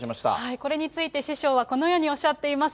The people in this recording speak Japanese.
これについて、師匠はこのようにおっしゃっています。